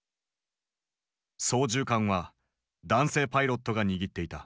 操縦桿は男性パイロットが握っていた。